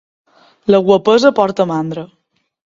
La guapesa porta mandra.